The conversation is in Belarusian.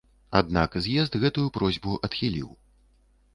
Аднак з'езд гэтую просьбу адхіліў.